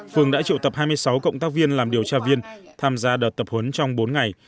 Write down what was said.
phường đã triệu tập hai mươi sáu cộng tác viên làm điều tra viên tham gia đợt tập huấn trong bốn ngày